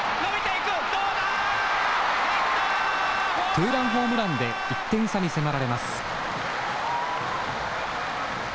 ツーランホームランで１点差に迫られます。